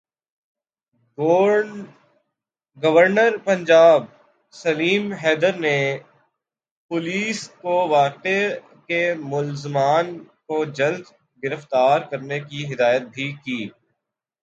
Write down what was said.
governor Punjab Salim Haider نے police کو واقعے کے ملزمان کو جلد گرفتار کرنے کی ہدایت بھی کی